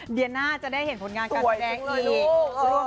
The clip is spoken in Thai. เดี๋ยวน่าจะได้เห็นผลงานการแสดงอีก